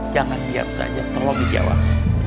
jangan diam saja tolong dijawab